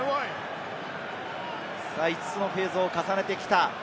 ５つのフェーズを重ねてきた。